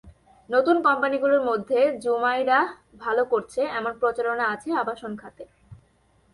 নতুন কোম্পানিগুলোর মধ্যে জুমাইরাহ ভালো করছে এমন প্রচারণা আছে আবাসন খাতে।